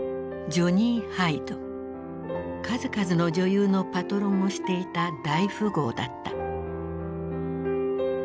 数々の女優のパトロンをしていた大富豪だった。